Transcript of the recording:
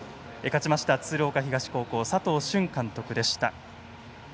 勝ちました鶴岡東高校佐藤俊監督でした。